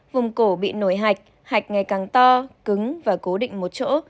vùng cổ bị nổi hạch hạch ngày càng to cứng và cố định một chỗ